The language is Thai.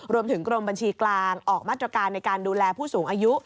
รวมถึงกรมบัญชีกลางออกมาตรการในการดูแลผู้สูงอายุ